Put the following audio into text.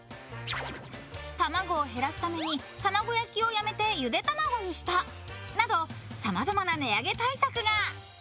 卵を減らすために卵焼きをやめてゆで卵にしたなどさまざまな値上げ対策が。